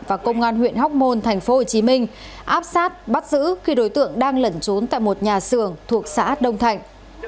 và công an huyện hóc môn tp hcm áp sát bắt giữ khi đối tượng đang lẩn trốn tại một nhà xưởng thuộc xã đông thạnh